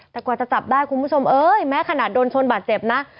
แต่กว่าจะจับได้คุณผู้ชมเอ้ยแม้ขนาดโดนชนบาดเจ็บนะ